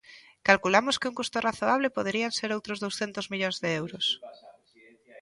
Calculamos que un custo razoable poderían ser outros douscentos millóns de euros.